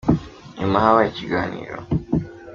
nyuma habaye ikiganiro.